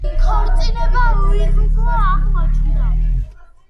ქორწინება უიღბლო აღმოჩნდა.